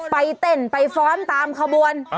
ไปเต้นไปฟ้อนตามขบวน